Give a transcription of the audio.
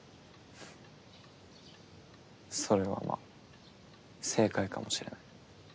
ふっそれはまあ正解かもしれない。